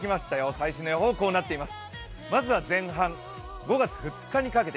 最新の予報、こうなっています。